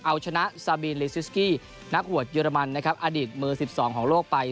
เอาชนะสะบิลลิซิสกินักหัวเยอรมันนะครับอดิตมือสิบสองของโลกไป